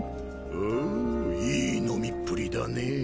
おおいい飲みっぷりだねぇ。